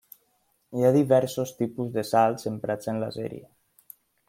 Hi ha diversos tipus de salts emprats en la sèrie.